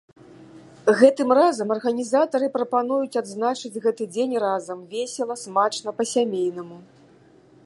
Гэтым разам арганізатары прапануюць адзначыць гэты дзень разам, весела, смачна, па-сямейнаму.